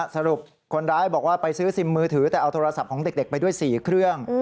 สรุปคนร้ายบอกว่าไปซื้อซิมมือถือแต่เอาโทรศัพท์ของเด็กไปด้วย๔เครื่อง